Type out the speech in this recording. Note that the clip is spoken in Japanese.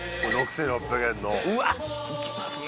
６６００円のうわっいきますね